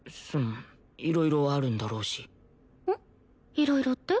いろいろって？